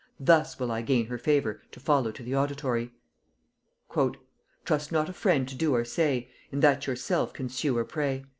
Thus will I gain her favor to follow to the auditory. "Trust not a friend to do or say, In that yourself can sue or pray."